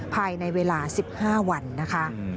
ภายในเวลา๑๕วันนะคะ